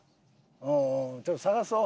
うんうんちょっと探そう。